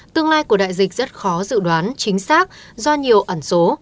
tương lai của đại dịch rất khó dự đoán chính xác do nhiều ẩn số